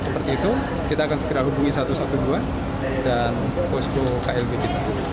seperti itu kita akan segera hubungi satu ratus dua belas dan posko klb kita